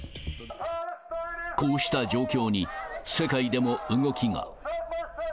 こうした状況に、世界でも動きが。